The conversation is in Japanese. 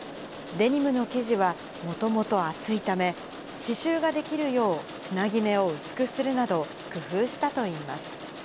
デニムの生地はもともと厚いため、刺しゅうができるよう、つなぎ目を薄くするなど、工夫したといいます。